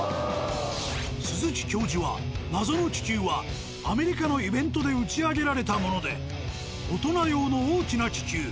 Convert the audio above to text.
鈴木教授は謎の気球はアメリカのイベントで打ち上げられたもので大人用の大きな気球。